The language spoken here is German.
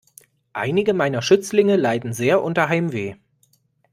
Einige meiner Schützlinge leiden sehr unter Heimweh.